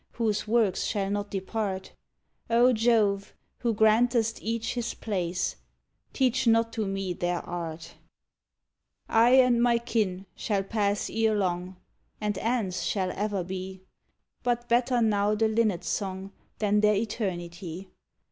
Whose works shall not depart: O Jove, who grantest each his place, Teach not to me their art! 77 'THE FAUN I and my kin shall pass ere long, And ants shall ever be; But better now the linnet's song Than their eternity.